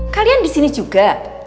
kalian disini juga